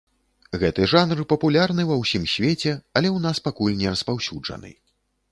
Гэты жанр папулярны ва ўсім свеце, але ў нас пакуль не распаўсюджаны.